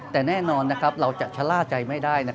แต่แน่นอนเราจะชะล่าใจไม่ได้